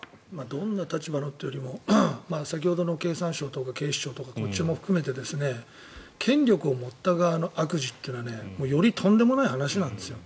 どんな立場というよりも先ほどの経産省とか警視庁とかこっちも含めて権力を持った側の悪事はよりとんでもない話なんですよ。